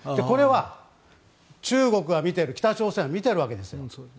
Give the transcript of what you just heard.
これは中国が見ている北朝鮮が見ているわけです。